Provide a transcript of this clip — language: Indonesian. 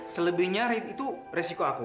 selebihnya itu resiko aku